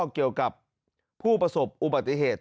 เกี่ยวกับผู้ประสบอุบัติเหตุ